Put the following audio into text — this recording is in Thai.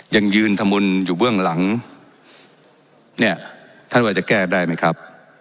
ยังยืนถมุนอยู่เบื้องหลังเนี่ยท่านว่าจะแก้ได้ไหมครับ